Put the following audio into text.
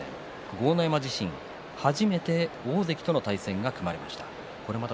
豪ノ山自身、初めて大関との対戦が組まれました。